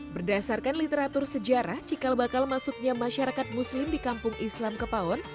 berdasarkan literatur sejarah cikal bakal masuknya masyarakat muslim di kampung islam kepawon